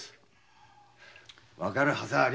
わかるはずはありません。